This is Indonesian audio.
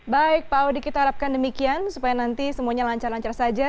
baik pak audi kita harapkan demikian supaya nanti semuanya lancar lancar saja